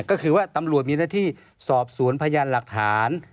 ก็คือว่าตำรวจมีหน้าที่สอบสวนพยานหลักฐาน